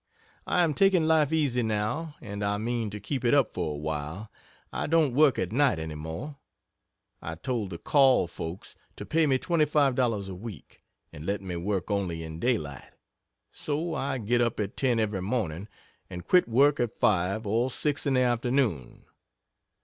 I am taking life easy, now, and I mean to keep it up for awhile. I don't work at night any more. I told the "Call" folks to pay me $25 a week and let me work only in daylight. So I get up at ten every morning, and quit work at five or six in the afternoon.